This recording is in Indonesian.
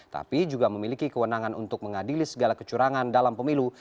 tapi juga memiliki kewenangan untuk mengadili segala kecurangan dalam pemilu